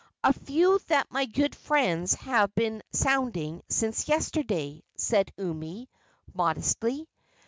"A few that my good friends have been sounding since yesterday," said Umi, modestly.